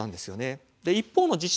一方の自治